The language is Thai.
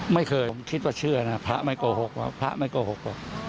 ไม่เคยคิดว่าเชื่อนะพระไม่โกหกว่าพระไม่โกหกว่า